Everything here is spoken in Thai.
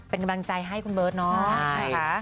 เป็นกำลังใจให้คุณเบิร์ตเนาะ